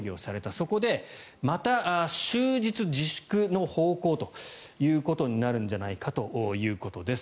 そこでまた終日自粛の方向になるんじゃないかということです。